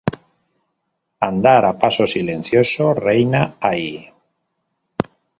Andar a paso silencioso reina ahí.